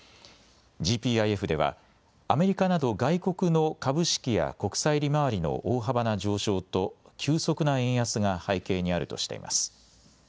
ＧＰＩＦではアメリカなど外国の株式や国債利回りの大幅な上昇と急速な円安が背景にあるとしています。